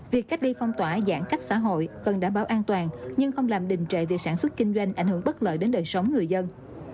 việc cách ly phong tỏa giãn cách xã hội cần đảm bảo an toàn nhưng không làm đình trệ việc sản xuất kinh doanh ảnh hưởng bất lợi đến đời sống người dân